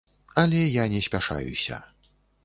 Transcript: Але я не спяшаюся.